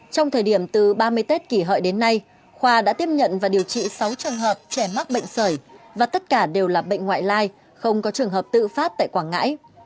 trong thời điểm từ ba mươi tết kỷ hợi đến nay khoa đã tiếp nhận và điều trị sáu trường hợp trẻ mắc bệnh sởi và tất cả đều là bệnh ngoại lai không có trường hợp tự phát tại quảng ngãi